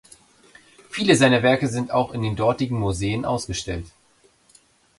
Viele seiner Werke sind auch in den dortigen Museen ausgestellt.